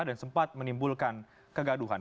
dan sempat menimbulkan kegaduhan